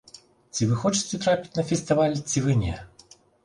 Ці вы хочаце трапіць на фестываль, ці вы не?